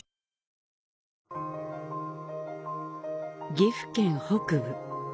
岐阜県北部。